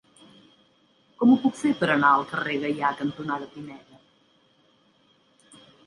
Com ho puc fer per anar al carrer Gaià cantonada Pineda?